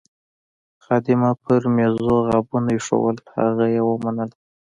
خادمه پر میزو غابونه ایښوول، هغه یې ومنل.